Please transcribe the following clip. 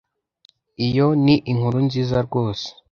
Iyo ni inkuru nziza rwose.